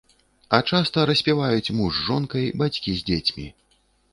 А часта распіваюць муж з жонкай, бацькі з дзецьмі.